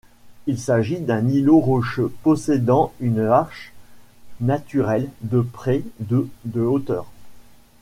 Il s'agit d'un îlot rocheux possédant une arche naturelle de près de de hauteur.